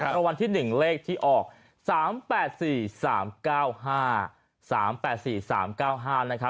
รางวัลที่๑เลขที่ออก๓๘๔๓๙๕